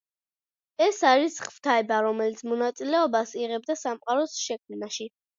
ეს არის ღვთაება, რომელიც მონაწილეობას იღებდა სამყაროს შექმნაში.